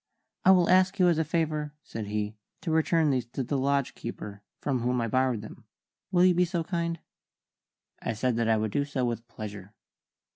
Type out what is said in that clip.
"I will ask you as a favour," said he, "to return these to the lodge keeper, from whom I borrowed them. Will you be so kind?" I said that I would do so with pleasure.